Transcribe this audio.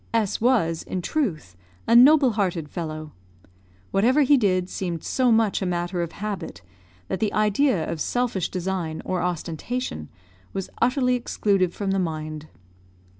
S was, in truth, a noble hearted fellow. Whatever he did seemed so much a matter of habit, that the idea of selfish design or ostentation was utterly excluded from the mind.